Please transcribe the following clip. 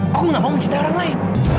aku gak mau mencintai orang lain